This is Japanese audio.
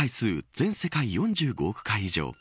全世界４５億回以上。